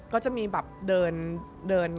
ก็จะมีแบบเดิน